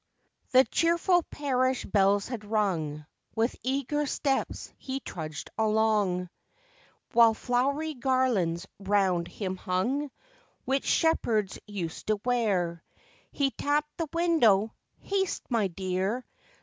The cheerful parish bells had rung, With eager steps he trudged along, While flowery garlands round him hung, Which shepherds use to wear; He tapped the window; 'Haste, my dear!